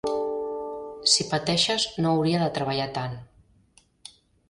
Si pateixes no hauria de treballar tant.